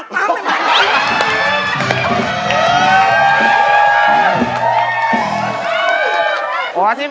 แล้วก็ปั๊มให้ตอนนี้